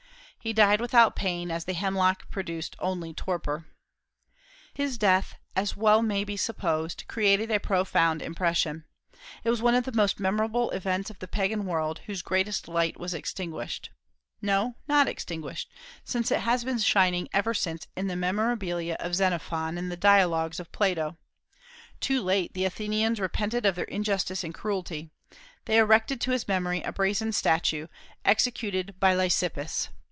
He died without pain, as the hemlock produced only torpor. His death, as may well be supposed, created a profound impression. It was one of the most memorable events of the pagan world, whose greatest light was extinguished, no, not extinguished, since it has been shining ever since in the "Memorabilia" of Xenophon and the "Dialogues" of Plato. Too late the Athenians repented of their injustice and cruelty. They erected to his memory a brazen statue, executed by Lysippus.